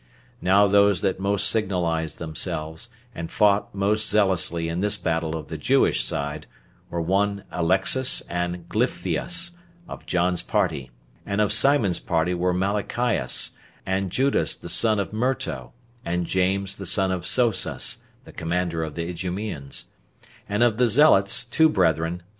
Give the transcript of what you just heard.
Now those that most signalized themselves, and fought most zealously in this battle of the Jewish side, were one Alexas and Gyphtheus, of John's party, and of Simon's party were Malachias, and Judas the son of Merto, and James the son of Sosas, the commander of the Idumeans; and of the zealots, two brethren, Simon and Judas, the sons of Jairus.